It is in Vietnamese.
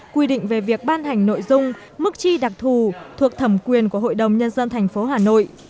quy định về việc ban hành nội dung mức chi đặc thù thuộc thẩm quyền của hội đồng nhân dân tp hà nội